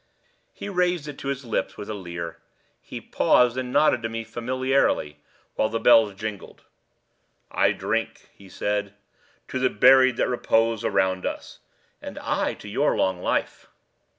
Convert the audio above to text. He raised it to his lips with a leer. He paused and nodded to me familiarly, while his bells jingled. "I drink," he said, "to the buried that repose around us." "And I to your long life."